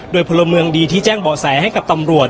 โดยพลเมืองดีที่แจ้งเบาะแสให้กับตำรวจ